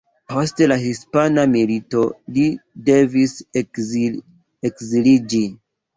Post la hispana milito, li devis ekziliĝi.